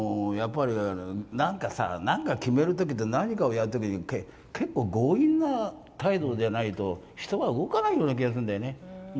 何か、決めるときとか何かをやるとき強引な態度じゃないと人は動かないような気がするんだよね。